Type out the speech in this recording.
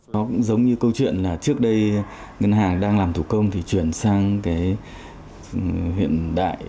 nó cũng giống như câu chuyện là trước đây ngân hàng đang làm thủ công thì chuyển sang cái hiện đại